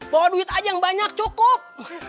bawa duit aja yang banyak cukup